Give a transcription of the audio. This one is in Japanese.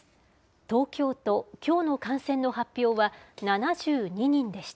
東京都、きょうの感染の発表は７２人でした。